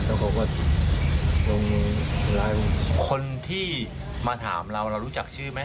แล้วเขาก็ลงไลน์คนที่มาถามเราเรารู้จักชื่อไหม